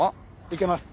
行けます。